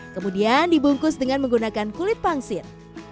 kemudian dibungkus dengan menggunakan kulit pangsit